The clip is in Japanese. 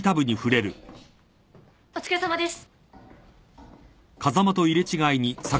・お疲れさまです。